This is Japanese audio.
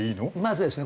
そうですね。